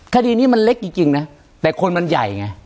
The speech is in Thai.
คดีนี้มันเล็กจริงนะแต่คนมันใหญ่ไง